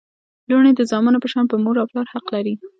لوڼي د زامنو په شان پر مور او پلار حق لري